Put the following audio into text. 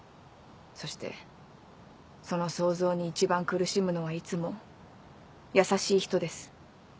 そしてその想像に一番苦しむのはいつも優しい人です。